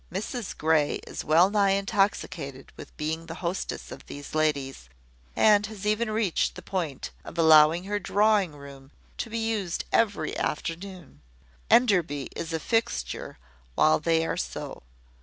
Mrs Grey is well nigh intoxicated with being the hostess of these ladies, and has even reached the point of allowing her drawing room to be used every afternoon. Enderby is a fixture while they are so.